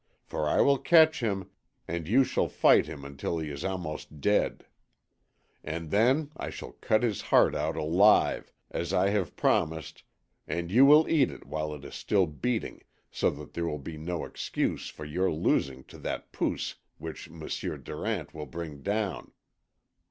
For I will catch him, and you shall fight him until he is almost dead; and then I shall cut his heart out alive, as I have promised, and you will eat it while it is still beating, so that there will be no excuse for your losing to that POOS which M'sieu Durant will bring down.